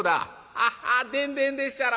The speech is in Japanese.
「ハハッでんでんでっしゃろ。